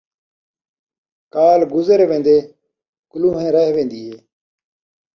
کال گزر وین٘دے ، کلون٘ھیں رہ وین٘دی ہے